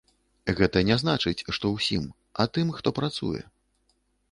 Гэта не значыць, што ўсім, а тым, хто працуе.